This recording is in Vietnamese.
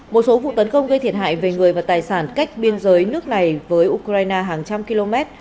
một số vụ tấn công gây thiệt hại về người và tài sản cách biên giới nước này với ukraine hàng trăm km